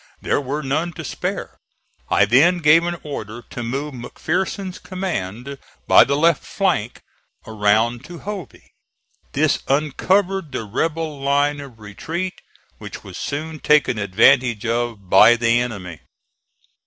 There were none to spare. I then gave an order to move McPherson's command by the left flank around to Hovey. This uncovered the rebel line of retreat, which was soon taken advantage of by the enemy.